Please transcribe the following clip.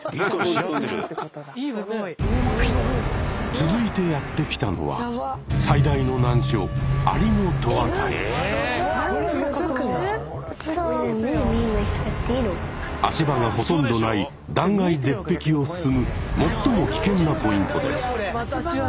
続いてやって来たのは最大の難所足場がほとんどない断崖絶壁を進む最も危険なポイントです。